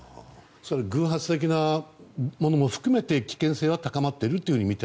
偶発的なものも含めて危険性は高まっていると？